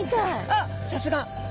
あっさすが。